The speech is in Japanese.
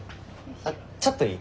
あっちょっといい？